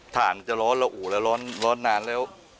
ฐานจะร้อนละอู่แล้วร้อนนานแล้ว